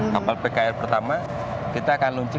kapal pkr pertama kita akan launching